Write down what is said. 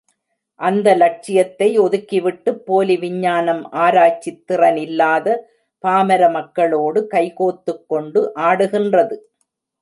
அந்த லட்சியத்தை ஒதுக்கி விட்டுப் போலி விஞ்ஞானம் ஆராய்ச்சித் திறனில்லாத பாமர மக்களோடு கைகோத்துக் கொண்டு ஆடுகின்றது.